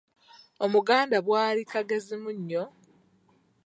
Omuganda bwali “kagezi munnyo? ”